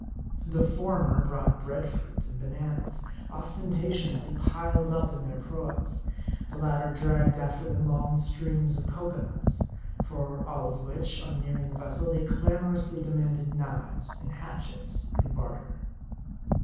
The former brought bread fruit and bananas, ostentatiously piled up in their proas ; the latter dragged after them long strings of cocoanuts ; for all of which, on nearing the vessel, they clamorously de manded knives and hatchets in barter.